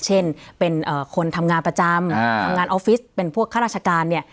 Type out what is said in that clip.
เช่นเป็นคนทำงานประจำทำงานออฟฟิศเป็นพวกข้าราชการเนี่ย